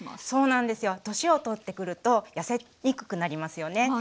そうなんですよ年をとってくるとやせにくくなりますよね。